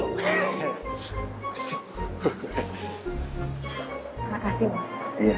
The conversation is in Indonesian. terima kasih bos